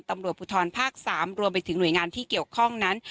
ตำรวจภูทรภาค๓รวมไปถึงหน่วยงานที่เกี่ยวข้องนั้น